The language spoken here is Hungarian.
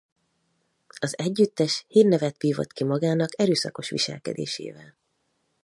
Az együttes hírnevet vívott ki magának erőszakos viselkedésével.